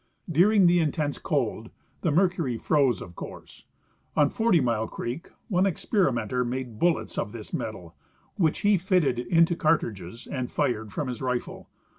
During the intense cold the mercury froze, of course. On Forty Mile creek one experimenter made bullets of this metal, Avhich he fitted into cartridges and fired from his rifle.